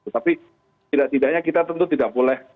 tapi tidak tidaknya kita tentu tidak boleh